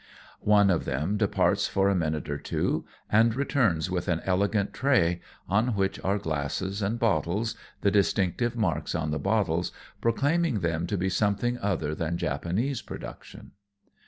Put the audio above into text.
One of them departs for a minute or two. and returns with an elegant tray, on which are glasses and bottles, the distinctive marks on the bottles proclaiming them to be something other than Japanese production.